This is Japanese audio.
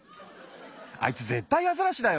あいつぜったいアザラシだよ。